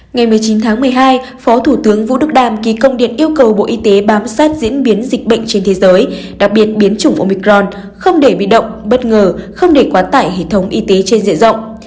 ngày một mươi chín tháng một mươi hai phó thủ tướng vũ đức đam ký công điện yêu cầu bộ y tế bám sát diễn biến dịch bệnh trên thế giới đặc biệt biến chủng omicron không để bị động bất ngờ không để quá tải hệ thống y tế trên diện rộng